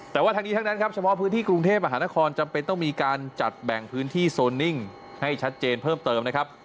แต่ว่าทั้งนี้ทั้งนั้นครับเฉพาะพื้นที่กรุงเทพมหานครจำเป็นต้องมีการจัดแบ่งพื้นที่โซนนิ่งให้ชัดเจนเพิ่มเติมนะครับ